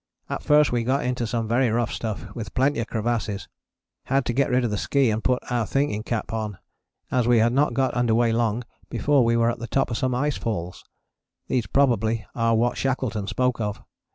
At first we got into some very rough stuff, with plenty of crevasses. Had to get rid of the ski and put our thinking cap on, as we had not got under way long before we were at the top of some ice falls; these probably are what Shackleton spoke of.